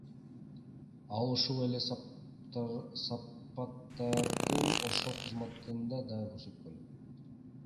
Ал ушул эле сапаттарын ошол кызматында да көрсөткөн.